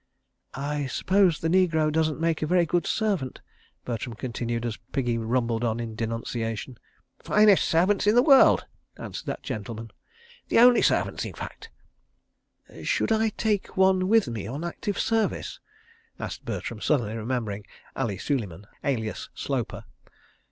"I suppose the negro doesn't make a very good servant?" Bertram continued, as Piggy rumbled on in denunciation. "Finest servants in the world," answered that gentleman. "The only servants, in fact. ..." "Should I take one with me on active service?" asked Bertram, suddenly remembering Ali Suleiman, alias Sloper.